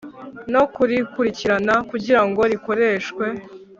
no kurikurikirana kugira ngo rikoreshwe